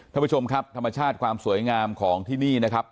ท่านผู้ชมครับธรรมชาติความสวยงามของที่นี่นะครับ